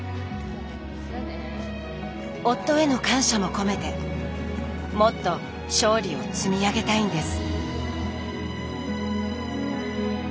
夫への感謝も込めてもっと勝利を積み上げたいんです。